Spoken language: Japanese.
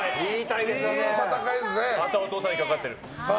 あとはお父さんにかかってる。